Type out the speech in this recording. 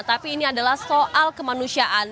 tapi ini adalah soal kemanusiaan